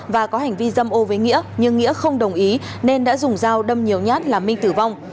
và có hành vi dâm ô với nghĩa nhưng nghĩa không đồng ý nên đã dùng dao đâm nhiều nhát làm minh tử vong